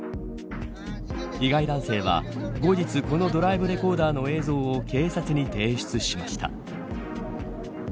被害男性は、後日このドライブレコーダーの映像を警察に提出しました。